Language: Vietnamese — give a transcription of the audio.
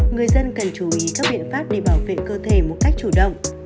người dân cần chú ý các biện pháp để bảo vệ cơ thể một cách chủ động